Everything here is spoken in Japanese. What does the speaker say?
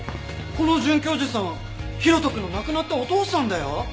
この准教授さん大翔くんの亡くなったお父さんだよ！